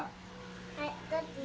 はいどっちだ？